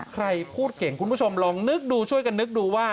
ใครพูดเก่งคุณผู้ชมลองนึกดูช่วยกันนึกดูว่า